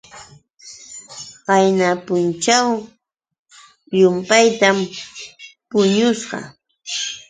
Qayna punćhaw llumpaytam puñusqa.